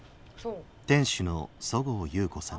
店主の十河裕子さん。